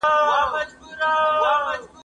زه هره ورځ د کتابتون پاکوالی کوم!!